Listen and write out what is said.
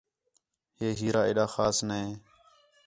ہے ہیرا ایݙا خاص نے